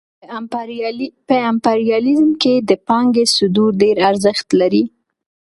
په امپریالیزم کې د پانګې صدور ډېر ارزښت لري